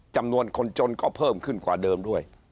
จำนวนคนจนก็เพิ่มขึ้นกว่าเดิมด้วย